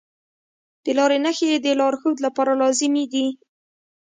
د لارې نښې د لارښود لپاره لازمي دي.